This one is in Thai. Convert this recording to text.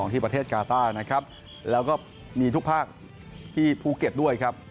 ที่ประเทศกาต้านะครับแล้วก็มีทุกภาคที่ภูเก็ตด้วยครับ